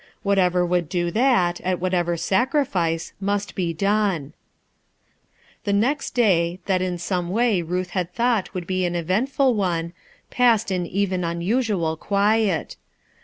Whatever would do that, at whatever sacrifice, must be done. Hie next day, that in some way Ruth had thought would be an eventful one, passed in even unusual quiet.